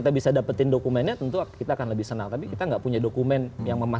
sebagai partai yang punya